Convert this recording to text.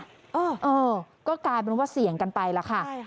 เออก็กลายเป็นว่าเสี่ยงกันไปแล้วค่ะ